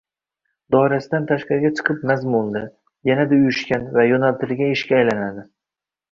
doirasidan tashqariga chiqib mazmunli, yanada uyushgan va yo‘naltirilgan ishga aylanadi.